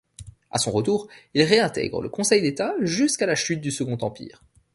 À son retour, il réintègre le Conseil d'État, jusqu'à la chute du Second Empire.